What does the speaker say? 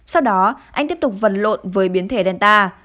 sau đó anh tiếp tục vần lộn với biến thể delta